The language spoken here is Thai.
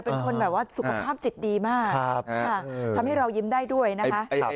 เป็นคนแบบว่าสุขภาพจิตดีมากทำให้เรายิ้มได้ด้วยนะคะ